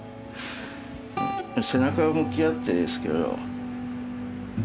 背中向き合ってですけど。